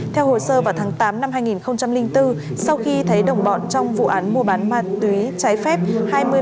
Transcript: theo hồ sơ vào tháng tám năm hai nghìn bốn sau khi thấy đồng bọn trong vụ án mua bán ma túy trái phép